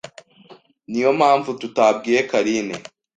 Niyo mpamvu tutabwiye Karine.